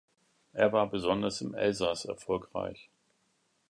Es war besonders im Elsass erfolgreich.